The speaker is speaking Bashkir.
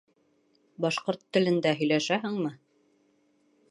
Башҡорт телендә һөйләшәһеңме?